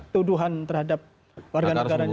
tuduhan terhadap warga negaranya